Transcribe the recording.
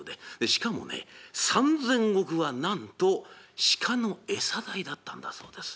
しかもね３，０００石はなんと鹿の餌代だったんだそうです。